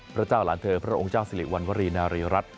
พระเจ้าหลานเธอพระองค์เจ้าสิริวัณวรีนารีรัฐ